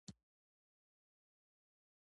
هر پیرودونکی د ارزښت وړ دی.